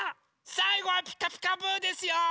さいごは「ピカピカブ！」ですよ！